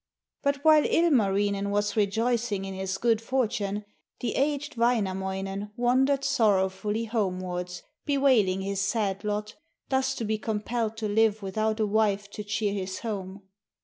But while Ilmarinen was rejoicing in his good fortune, the aged Wainamoinen wandered sorrowfully homewards, bewailing his sad lot, thus to be compelled to live without a wife to cheer his home.